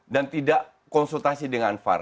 dan tidak konsultasi dengan var